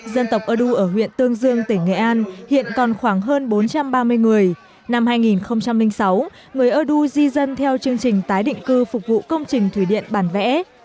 dân tộc ơ đu ở huyện tương dương tỉnh nghệ an hiện còn khoảng hơn bốn trăm ba mươi người năm hai nghìn sáu người ơ đu di dân theo chương trình tái định cư phục vụ công trình thủy điện bản vẽ